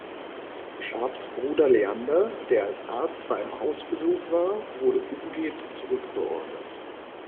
Sharps Bruder Leander, der als Arzt bei einem Hausbesuch war, wurde umgehend zurückbeordert.